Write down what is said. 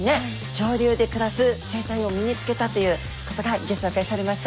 上流で暮らす生態を身につけたということがギョ紹介されました。